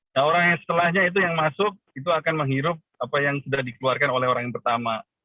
nah orang yang setelahnya itu yang masuk itu akan menghirup apa yang sudah dikeluarkan oleh orang yang pertama